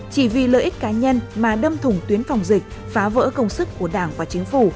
chỉ vì lợi ích cá nhân mà đâm thùng tuyến phòng dịch phá vỡ công sức của đảng và chính phủ